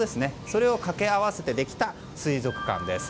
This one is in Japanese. それを掛け合わせてできた水族館です。